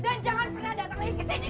dan jangan pernah datang lagi ke sini